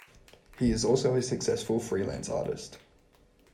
He is also a successful freelance artist.